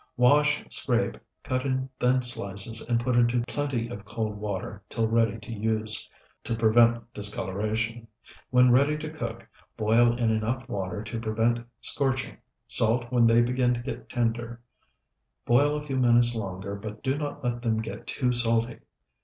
Wash, scrape, cut in thin slices, and put into plenty of cold water till ready to use, to prevent discoloration. When ready to cook, boil in enough water to prevent scorching. Salt when they begin to get tender. Boil a few minutes longer, but do not let them get too salty.